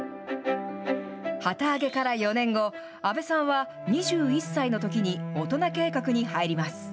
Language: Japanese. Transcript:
旗揚げから４年後、阿部さんは２１歳のときに大人計画に入ります。